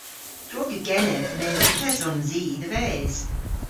Drog yw genev mes yth esons i dhe-ves.